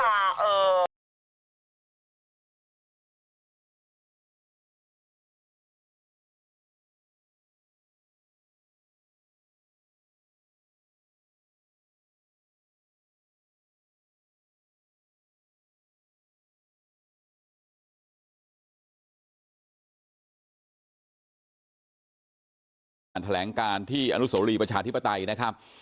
นำสิ่งที่เหมือนกันว่าผู้ชมนุมอ่ามีใครนะครับ